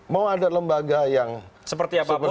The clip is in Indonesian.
mau ada lembaga yang seperti apapun